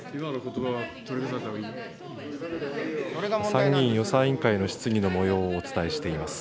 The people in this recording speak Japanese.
参議院予算委員会の質疑のもようをお伝えしています。